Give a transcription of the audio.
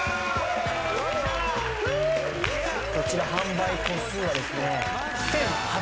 こちら販売個数はですね。